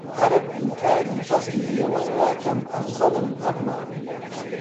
عەرەب ئینکاری فەزڵی ئێوە ناکەم ئەفزەلن ئەمما